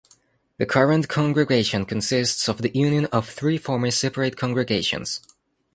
The current congregation consists of the union of three former separate congregations.